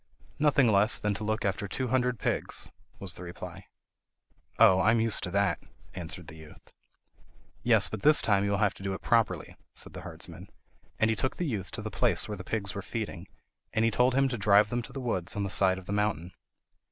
"Nothing less than to look after two hundred pigs," was the reply. "Oh, I am used to that," answered the youth. "Yes; but this time you will have to do it properly," said the herdsman; and he took the youth to the place where the pigs were feeding, and told him to drive them to the woods on the side of the mountain.